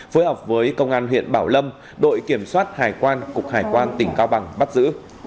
phối hợp với công an huyện bảo lâm đội kiểm soát hải quan cục hải quan tỉnh cao bằng bắt giữ